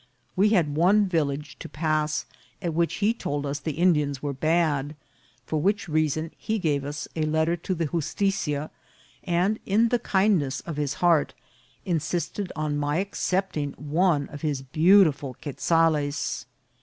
We had one village to pass at which he told us the Indians were bad, for which rea son he gave us a letter to the justitia ; and in the kind ness of his heart insisted on my accepting one of his beautiful quezales.